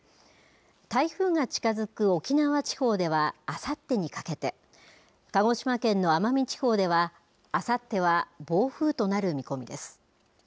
台風が近づく沖縄地方ではあさってにかけて、鹿児島県の奄美地方ではあさっては暴風となる見込みです。